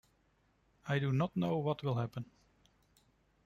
I do not know what will happen.